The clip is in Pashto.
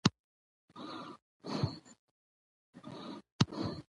د افغانستان ښکلی هېواد له رسوبونو پوره ډک دی.